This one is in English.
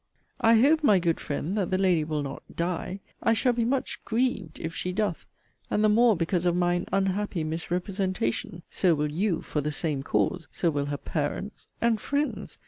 I hope, my good friend, that the lady will not 'die': I shall be much 'grieved,' if she doth; and the more because of mine 'unhappy misrepresentation': so will 'you' for the 'same cause'; so will her 'parents' and 'friends.'